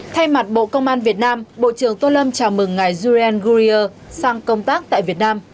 thay mặt bộ công an việt nam bộ trưởng tô lâm chào mừng ngày julian gurrier sang công tác tại việt nam